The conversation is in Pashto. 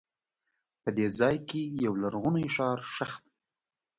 په دې ځای کې یو لرغونی ښار ښخ دی.